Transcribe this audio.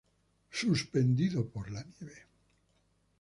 Suspendido por la nieve.